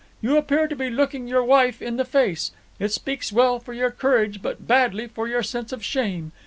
You appear to be looking your wife in the face. It speaks well for your courage but badly for your sense of shame.